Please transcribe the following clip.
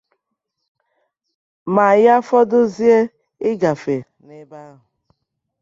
ma ya fọdụzie ịgafè n'ebe ahụ.